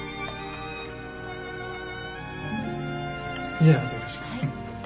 じゃあ後よろしく。